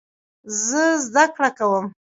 زه زده کړه کوم.